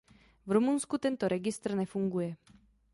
V Rumunsku tento registr nefunguje.